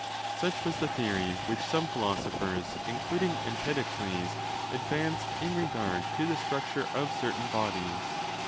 — Such was the theory which some philosophers (including Empedokles) advanced in regard to the structure of certain bodies.